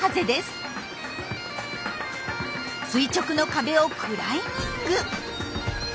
垂直の壁をクライミング！